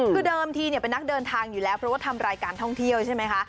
คือเดิมทีเป็นนักเดินทางอยู่แล้วเพราะว่าทำรายการท่องเที่ยวใช่ไหมคะ